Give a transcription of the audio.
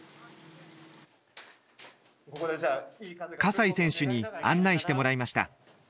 西選手に案内してもらいました。